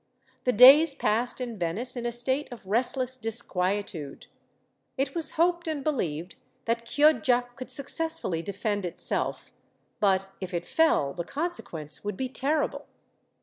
The days passed in Venice in a state of restless disquietude. It was hoped and believed that Chioggia could successfully defend itself; but if it fell, the consequence would be terrible.